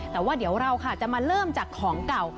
แต่ว่าเดี๋ยวเราค่ะจะมาเริ่มจากของเก่า